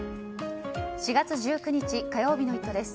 ４月１９日、火曜日の「イット！」です。